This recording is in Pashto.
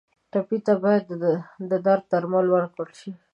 ټپي ته باید د درد درمل ورکړل شي.